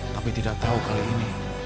tapi tidak tahu kali ini